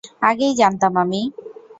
আগেই জানতাম আমি।